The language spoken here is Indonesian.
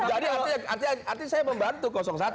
jadi artinya saya membantu